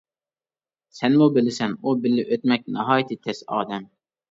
سەنمۇ بىلىسەن، ئۇ بىللە ئۆتمەك ناھايىتى تەس ئادەم.